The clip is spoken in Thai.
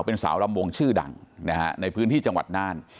เป็นสาวลำวงชื่อดังนะฮะในพื้นที่จังหวัดน่าน